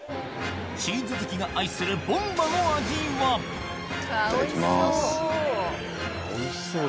チーズ好きが愛するボンバの味はいただきます。